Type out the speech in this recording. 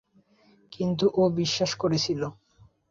কিন্তু, ও বিশ্বাস করেছিল।